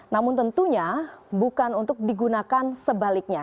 namun tentunya bukan untuk digunakan sebaliknya